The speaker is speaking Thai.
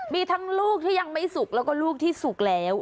มีทั้งลูกที่ยังไม่สุขแล้วก็ลูกที่สุขแล้ว